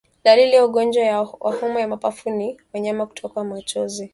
Dalili ya ugonjwa wa homa ya mapafu ni wanyama kutokwa machozi